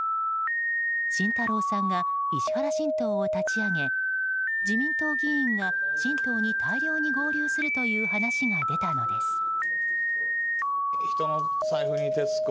慎太郎さんが石原新党を立ち上げ自民党議員が新党に大量に合流するという話が出たのです。